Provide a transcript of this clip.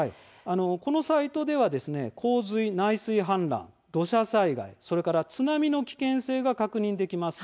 このサイトでは洪水、内水氾濫、土砂災害それから津波の危険性が確認できます。